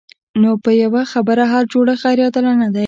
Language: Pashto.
نو په یوه خبره هر جوړښت غیر عادلانه دی.